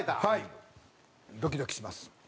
はいドキドキします。